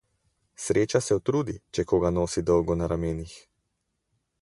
Sreča se utrudi, če koga nosi dolgo na ramenih.